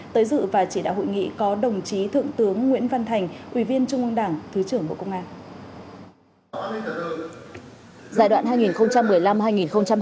tới dự và chỉ đạo hội nghị có đồng chí thượng tướng nguyễn văn thành ủy viên trung ương đảng thứ trưởng bộ công an